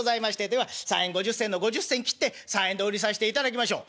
では３円５０銭の５０銭切って３円でお売りさせていただきましょう」。